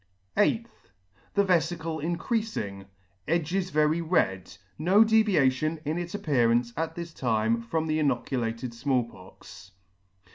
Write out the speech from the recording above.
8th. The veficle increafing ; edges very red ; no deviation in its appearance at this time from the inoculated Small Pox.